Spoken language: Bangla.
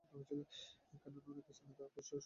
কেননা, অনেক স্থানে তারা খুচরা সংখ্যাসহ উল্লেখ করেছে।